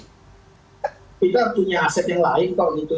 itu artinya aset yang lain kalau gitu